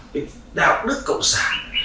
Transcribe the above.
cái đạo đức cộng sản